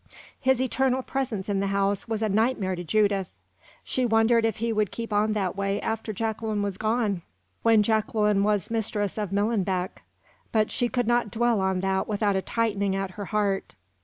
His eternal presence in the house was a nightmare to Judith. She wondered if he would keep on that way after Jacqueline was gone when Jacqueline was mistress of Millenbeck; but she could not dwell on that without a tightening at her heart.